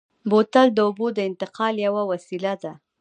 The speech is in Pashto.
بوتل د اوبو د انتقال یوه وسیله ده.